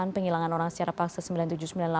penghilangan orang secara paksa